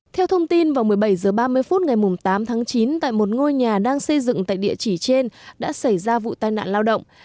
theo thông tin vào một mươi bảy h ba mươi phút ngày tám tháng chín tại một ngôi nhà đang xây dựng tại địa chỉ trên đã xảy ra vụ tai nạn lao động